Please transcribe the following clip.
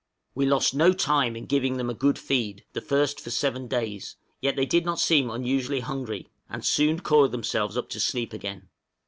We lost no time in giving them a good feed, the first for seven days, yet they did not seem unusually hungry, and soon coiled themselves up to sleep again.